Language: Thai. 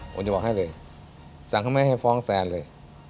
ผมจะบอกให้เลยสั่งเขาไม่ให้ฟ้องแซนเลย